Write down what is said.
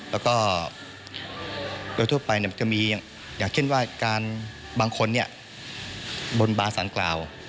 แล้วก็โดยทั่วไปเนี่ยมันจะมีอย่างเช่นว่าการบางคนเนี่ยบนบาร์สันกราว